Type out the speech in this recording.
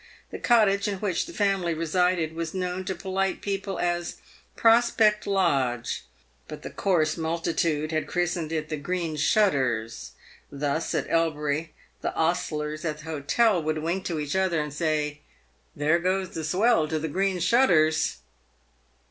The cottage in which the family resided was known to polite people as Prospect Lodge, but the coarse multitude had christened it the " Green Shutters." Thus, at Elbury, the ostlers at the hotel would wink to each other and say, "There goes the swell to the Green Shutters."